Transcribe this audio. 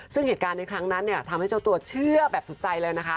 ซึ่งเหตุการณ์ในครั้งนั้นเนี่ยทำให้เจ้าตัวเชื่อแบบสุดใจเลยนะคะ